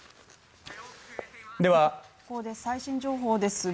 では、最新情報です